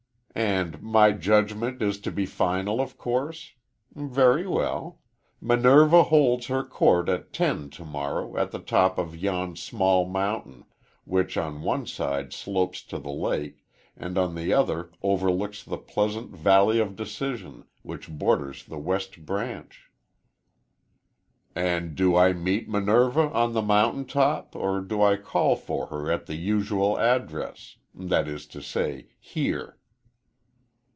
"And my judgment is to be final, of course. Very well; Minerva holds her court at ten to morrow, at the top of yon small mountain, which on the one side slopes to the lake, and on the other overlooks the pleasant Valley of Decision, which borders the West Branch." "And do I meet Minerva on the mountain top, or do I call for her at the usual address that is to say, here?"